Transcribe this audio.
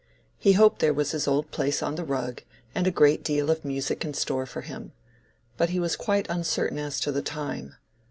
He hoped there was his old place on the rug, and a great deal of music in store for him. But he was quite uncertain as to the time.